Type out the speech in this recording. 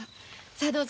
さあどうぞ。